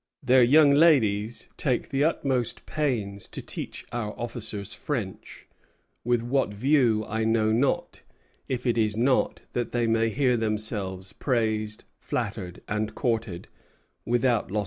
Their young ladies take the utmost pains to teach our officers French; with what view I know not, if it is not that they may hear themselves praised, flattered, and courted without loss of time."